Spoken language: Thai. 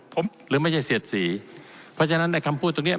ผมหรือไม่ใช่เสียดสีเพราะฉะนั้นไอ้คำพูดตรงเนี้ย